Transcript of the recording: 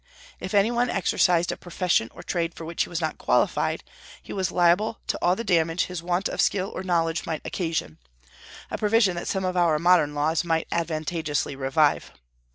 If any one exercised a profession or trade for which he was not qualified, he was liable to all the damage his want of skill or knowledge might occasion, a provision that some of our modern laws might advantageously revive.